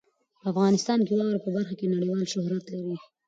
افغانستان د واوره په برخه کې نړیوال شهرت لري.